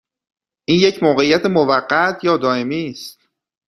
این یک موقعیت موقت یا دائمی است؟